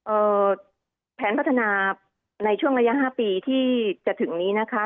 เอ่อแผนพัฒนาในช่วงระยะห้าปีที่จะถึงนี้นะคะ